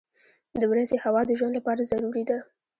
• د ورځې هوا د ژوند لپاره ضروري ده.